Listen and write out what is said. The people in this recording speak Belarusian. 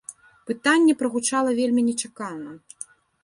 Пытанне прагучала вельмі нечакана.